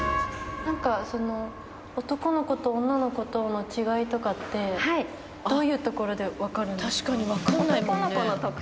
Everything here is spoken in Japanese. なんかその男の子と女の子との違いとかってどういうところでわかるんですか？